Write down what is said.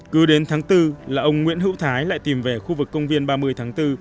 cứ đến tháng bốn là ông nguyễn hữu thái lại tìm về khu vực công viên ba mươi tháng bốn